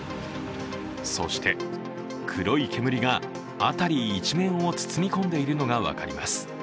そして、黒い煙が辺り一面を包み込んでいるのが分かります。